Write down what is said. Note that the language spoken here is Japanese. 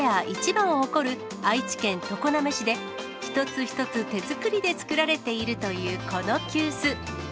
１番を誇る、愛知県常滑市で、一つ一つ手作りで作られているという、この急須。